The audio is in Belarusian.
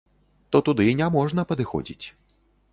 То туды няможна падыходзіць.